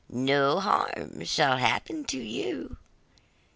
No harm shall happen to you.